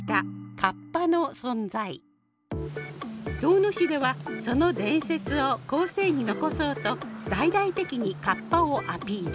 遠野市ではその伝説を後世に残そうと大々的にカッパをアピール。